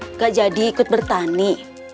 nggak jadi ikut bertani